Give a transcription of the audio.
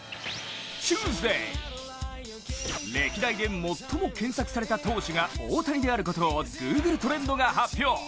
チューズデー、歴代で最も検索された投手が大谷であることをグーグルトレンドが発表。